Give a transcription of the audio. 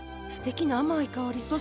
すてきな甘い香り。